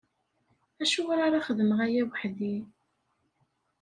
Acuɣer ara xedmeɣ aya weḥd-i?